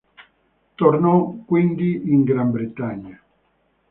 Tornò quindi in Gran Bretagna.